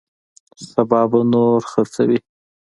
سبا به نور خرڅوي.